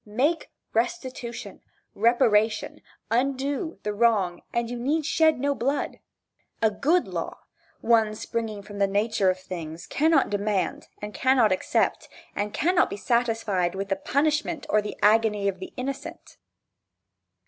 Make restitution, reparation, undo the wrong and you need shed no blood. A good law, one springing from the nature of things, cannot demand, and cannot accept, and cannot be satisfied with the punishment, or the agony of the innocent.